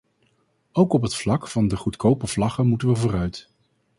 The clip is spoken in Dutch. Ook op het vlak van de goedkope vlaggen moeten we vooruit.